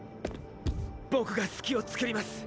僕が隙をつくります。